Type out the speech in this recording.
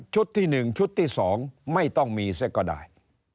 ที่๑ชุดที่๒ไม่ต้องมีเสียก็ได้